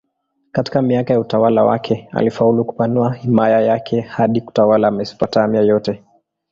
Katika miaka ya utawala wake alifaulu kupanua himaya yake hadi kutawala Mesopotamia yote.